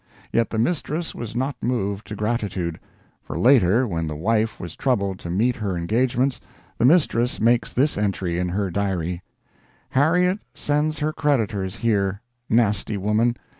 Yet the mistress was not moved to gratitude; for later, when the wife was troubled to meet her engagements, the mistress makes this entry in her diary: "Harriet sends her creditors here; nasty woman.